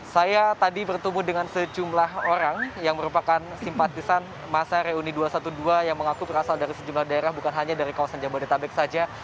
saya tadi bertemu dengan sejumlah orang yang merupakan simpatisan masa reuni dua ratus dua belas yang mengaku berasal dari sejumlah daerah bukan hanya dari kawasan jabodetabek saja